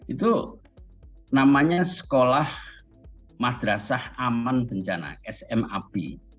itu namanya sekolah madrasah aman bencana smab